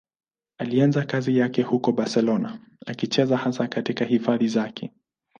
Alianza kazi yake huko Barcelona, akicheza hasa katika hifadhi zake.